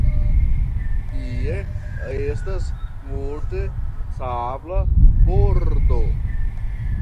Tie estas multe sabla bordo.